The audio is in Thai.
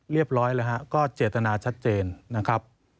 เรียบร้อยเรานะฮะก็เจตนาชัดเจนนะครับ